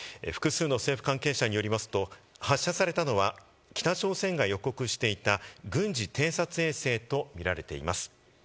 複数の政府関係者によりますと、発射されたのは、北朝鮮が予告していた軍事偵察衛星と見られています。